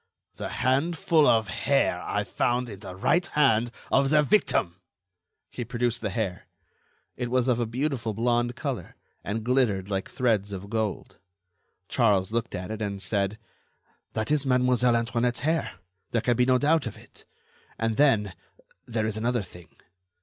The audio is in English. "The handful of hair I found in the right hand of the victim." He produced the hair; it was of a beautiful blond color, and glittered like threads of gold. Charles looked at it, and said: "That is Mademoiselle Antoinette's hair. There can be no doubt of it. And, then, there is another thing.